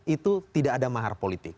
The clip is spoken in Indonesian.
itu tidak ada mahar politik